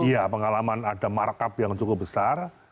iya pengalaman ada markup yang cukup besar